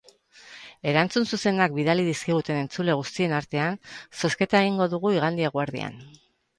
Erantzun zuzenak bidali dizkiguten entzule guztien artean zozketa egingo dugu igande eguerdian.